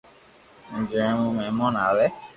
جي مي مھمون آوي